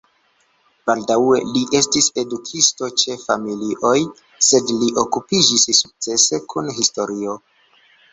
Baldaŭe li estis edukisto ĉe familioj, sed li okupiĝis sukcese kun historio.